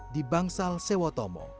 di bangsal sewotomo